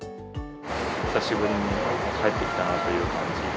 久しぶりに帰ってきたなという感じ。